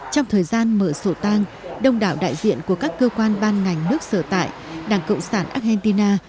trong thời gian mở sổ tang đông đảo đại diện của các cơ quan ban ngành nước sở tại đảng cộng sản argentina